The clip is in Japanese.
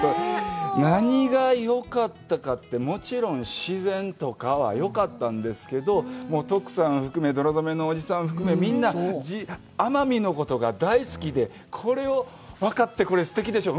何がよかったかって、もちろん自然とかはよかったんですけど、徳さんを含め、みんな奄美のことが大好きで、これを分かってくれ、すてきでしょう？